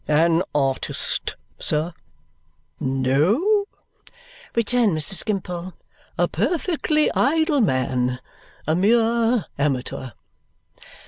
"An artist, sir?" "No," returned Mr. Skimpole. "A perfectly idle man. A mere amateur."